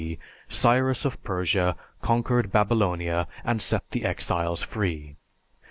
Cyrus of Persia conquered Babylonia and set the exiles free.